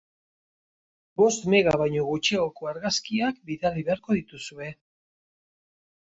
Bost mega baino gutxiagoko argazkiak bidali beharko dituzue.